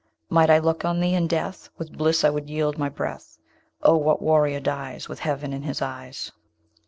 Might I look on thee in death, With bliss I would yield my breath. Oh! what warrior dies With heaven in his eyes?